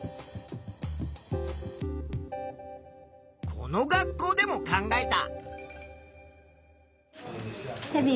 この学校でも考えた。